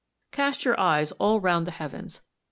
Cast your eyes all round the heavens.